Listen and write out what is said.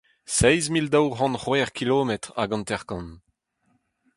seizh mil daou c'hant c’hwech kilometr ha hanter-kant.